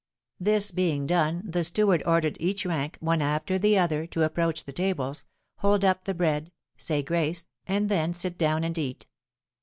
This being done, the steward ordered each rank, one after the other, to approach the tables, hold up the bread, say grace, and then sit down and eat.